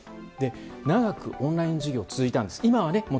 長くオンライン授業が続いたんです。